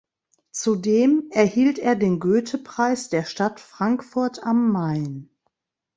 Zudem erhielt er den Goethepreis der Stadt Frankfurt am Main.